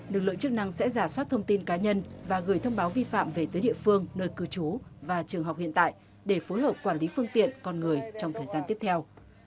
lực lượng chức năng sẽ giả soát thông tin cá nhân và gửi thông báo vi phạm về tới địa phương nơi cư trú và trường học hiện tại để phối hợp quản lý phương tiện con người trong thời gian tiếp theo